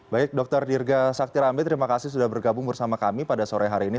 baik dr dirga saktirambe terima kasih sudah bergabung bersama kami pada sore hari ini